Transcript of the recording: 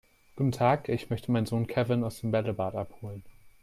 Guten Tag, ich möchte meinen Sohn Kevin aus dem Bällebad abholen.